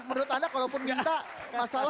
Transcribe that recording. menurut anda kalaupun minta mas arief